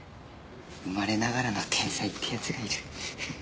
生まれながらの天才ってやつがいる。